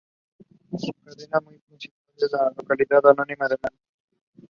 These benefits are administered through education assistance programs.